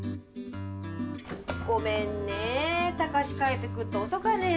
ごめんねえたかし帰ってくっと遅かねえ。